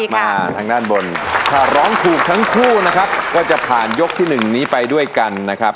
มาทางด้านบนถ้าร้องถูกทั้งคู่นะครับก็จะผ่านยกที่หนึ่งนี้ไปด้วยกันนะครับ